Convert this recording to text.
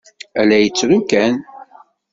A la yettru kan.